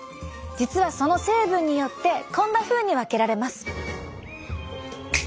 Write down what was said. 実はその成分によってこんなふうに分けられます。